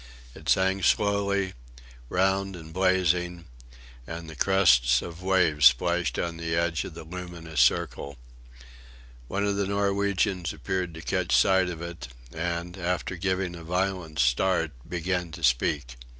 It sank slowly, round and blazing, and the crests of waves splashed on the edge of the luminous circle. One of the Norwegians appeared to catch sight of it, and, after giving a violent start, began to speak.